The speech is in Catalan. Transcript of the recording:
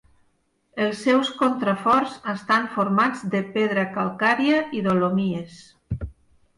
Els seus contraforts estan formats de pedra calcària i dolomies.